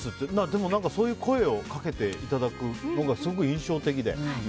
でもそういう声をかけていただくのがすごく印象的で。